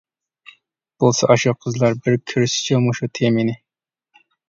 بولسا ئاشۇ قىزلار بىر كۆرسىچۇ مۇشۇ تېمىنى.